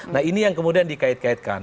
nah ini yang kemudian dikait kaitkan